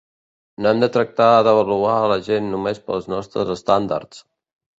No hem de tractar d'avaluar a la gent només pels nostres estàndards.